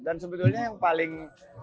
dan sebetulnya yang paling